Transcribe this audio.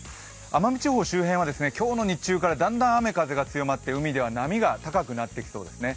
奄美地方周辺は今日の日中からだんだん雨風が強まって、海では波が高くなってきそうですね。